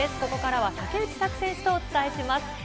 ここからは竹内択選手とお伝えします。